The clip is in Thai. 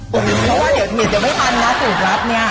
ไม่ว่าจะไม่มันนะสูตรลับเนี่ย